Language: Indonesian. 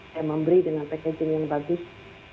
saya memberi dengan packaging yang bagus